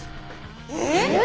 えっ？